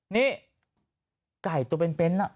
นี่ไก่ตัวเป็นเพ้นต์น่ะ